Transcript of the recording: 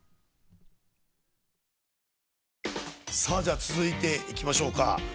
さあじゃあ続いていきましょうか。